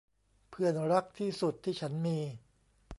เพื่อนรักที่สุดที่ฉันมี